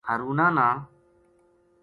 ہارونا نا